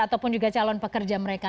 ataupun juga calon pekerja mereka